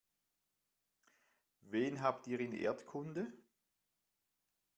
Wen habt ihr in Erdkunde?